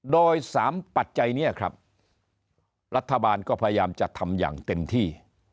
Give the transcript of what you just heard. โดย๓ปัจจัยนี้ครับรัฐบาลก็พยายามจะทำอย่างเต็มที่